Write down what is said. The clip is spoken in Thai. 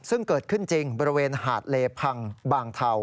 ซึ่งเกิดขึ้นจริงบริเวณหาดเลพังบางเทา